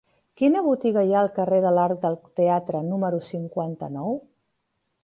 Quina botiga hi ha al carrer de l'Arc del Teatre número cinquanta-nou?